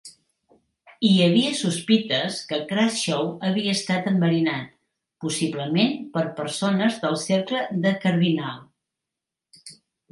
Hi havia sospites que Crashaw havia estat enverinat, possiblement per persones del cercle de Cardinal.